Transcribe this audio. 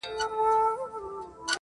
هغه خو ټوله ژوند تاته درکړی وو په مينه